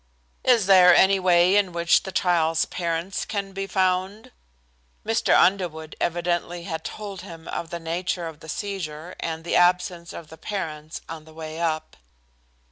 "Is there any way in which the child's parents can be found?" Mr. Underwood evidently had told him of the nature of the seizure and the absence of the parents on the way up.